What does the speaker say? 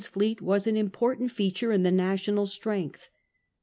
's fleet was an important feature in the national e navy. strength.